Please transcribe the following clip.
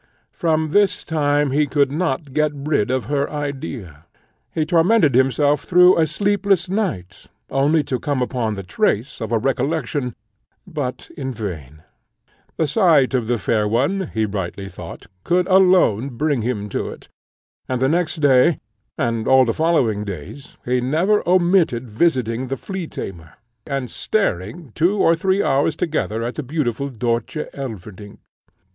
From this time he could not get rid of her idea; he tormented himself through a sleepless night, only to come upon the trace of a recollection, but in vain. The sight of the fair one, he rightly thought, could alone bring him to it; and the next day, and all the following days, he never omitted visiting the flea tamer, and staring two or three hours together at the beautiful Dörtje Elverdink.